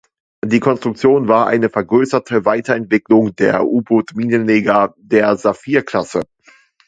Die Konstruktion war eine vergrößerte Weiterentwicklung der U-Boot-Minenleger der Saphir-Klasse.